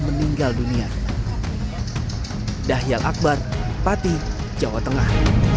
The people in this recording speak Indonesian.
meninggal dunia dahil akbar pati jawa tengah